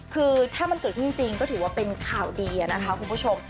คือถ้ามันเกิดขึ้นจริงก็ถือว่าเป็นข่าวดีนะคะคุณผู้ชม